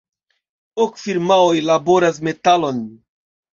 Ok firmaoj laboras metalon.